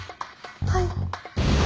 はい。